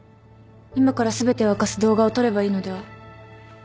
今から全てを明かす動画を撮ればいいのでは。